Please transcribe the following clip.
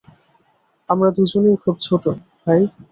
আমরা দুজনেই খুব ছোটো, ভাই।